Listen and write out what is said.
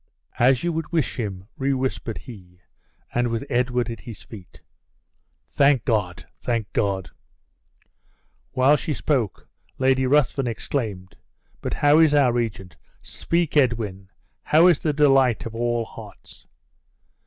"As you would wish him," rewhispered he, "and with Edward at his feet." "Thank God, thank God!" While she spoke, Lady Ruthven exclaimed: "But how is our regent? Speak, Edwin! How is the delight of all hearts?"